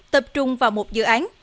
tập trung vào một dự án